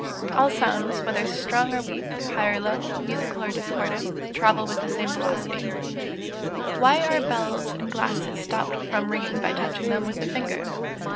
_ All sounds, whether strong or weak, high or low, musical or discordant, travel with the same velocity. 723. _Why are bells and glasses stopped from ringing by touching them with the finger?